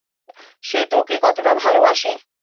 সে তোকে কতোটা ভালোবাসে!